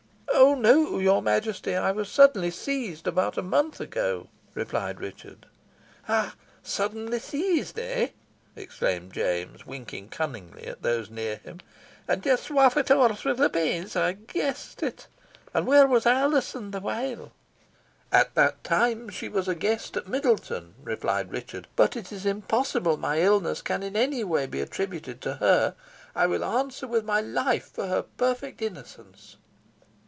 "Oh! no, your Majesty, I was suddenly seized, about a month ago," replied Richard. "Suddenly seized eh!" exclaimed James, winking cunningly at those near him; "and ye swarfit awa' wi' the pain? I guessed it. And whaur was Alizon the while?" "At that time she was a guest at Middleton," replied Richard; "but it is impossible my illness can in any way be attributed to her. I will answer with my life for her perfect innocence."